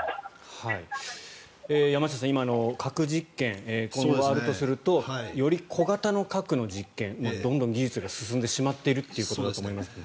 山下さん、今の核実験、今後があるとするとより小型の核の実験どんどん技術が進んでしまっているということだと思いますが。